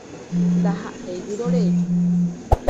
Ndaha'éi vyrorei.